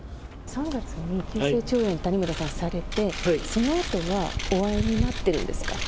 ３月に急性腸炎、谷村さんされて、そのあとはお会いになってるんですか？